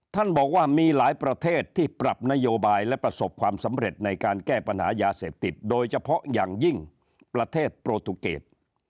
ท่านบอกว่ามีหลายประเทศที่ปรับนโยบายและประสบความสำเร็จในการแก้ปัญหายาเสพติดโดยเฉพาะอย่างยิ่งประเทศโปรตุเกต